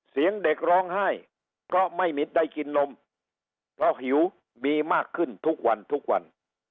เสียงเด็กร้องไห้เพราะไม่มีได้กินนมเพราะหิวมีมากขึ้นทุกวันทุกวัน